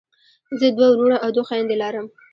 زه دوه وروڼه او دوه خویندی لرم.